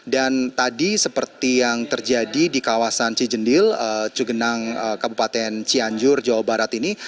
dan tadi seperti yang terjadi di kawasan cijendil cugenang kabupaten cianjur jawa barat ini